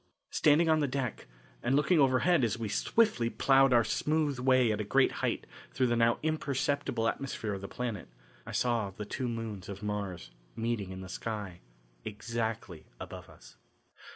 Standing on the deck, and looking overhead as we swiftly ploughed our smooth way at a great height through the now imperceptible atmosphere of the planet, I saw the two moons of Mars meeting in the sky exactly above us.